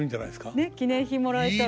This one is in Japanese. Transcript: ねえ記念品もらえたら。